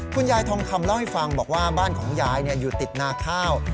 ทองคำเล่าให้ฟังบอกว่าบ้านของยายอยู่ติดนาข้าว